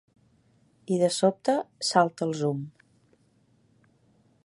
I de sobte, salta el zoom.